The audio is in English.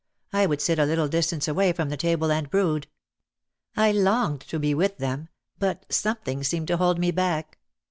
I would sit a little distance away from the table and brood. I longed to be with them, but something seemed to hold me back.